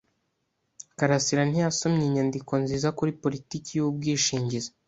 karasira ntiyasomye inyandiko nziza kuri politiki y’ubwishingizi,